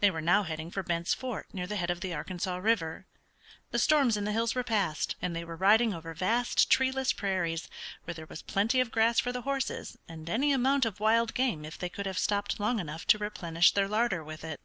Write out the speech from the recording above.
They were now heading for Bent's Fort near the head of the Arkansas River. The storms in the hills were past, and they were riding over vast treeless prairies, where there was plenty of grass for the horses, and any amount of wild game if they could have stopped long enough to replenish their larder with it.